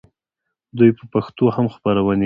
دوی په پښتو هم خپرونې کوي.